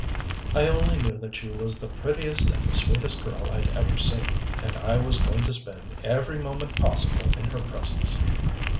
I only knew that she was the prettiest and the sweetest girl I'd ever seen, and I was going to spend every moment possible in her presence.